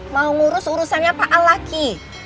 mau ngurus urusannya pak al lagi